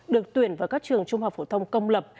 được tuyển vào các trường trung học phổ thông công lập